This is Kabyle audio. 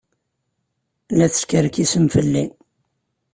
La teskerkisem fell-i.